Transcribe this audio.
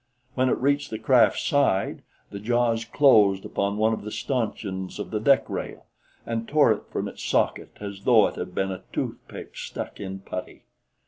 When it reached the craft's side, the jaws closed upon one of the stanchions of the deck rail and tore it from its socket as though it had been a toothpick stuck in putty.